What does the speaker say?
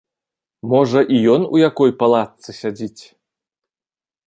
Можа, і ён у якой палатцы сядзіць.